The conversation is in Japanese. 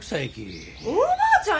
おばあちゃん